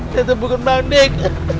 saya terbuka pandek